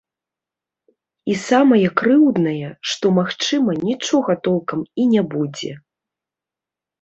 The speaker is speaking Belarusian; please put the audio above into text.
І самае крыўднае, што, магчыма, нічога толкам і не будзе.